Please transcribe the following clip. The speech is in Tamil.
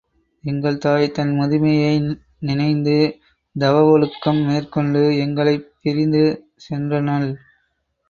எங்கள் தாய் தன் முதுமையை நினைந்து தவவொழுக்கம் மேற்கொண்டு எங்களைப் பிரிந்து சென்றனள்.